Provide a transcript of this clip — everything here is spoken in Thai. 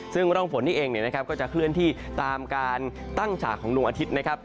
ซึ่งร่องฝนนี่เองเนี่ยนะครับก็จะเคลื่อนที่ตามการตั้งฉากของดวงอาทิตย์นะครับ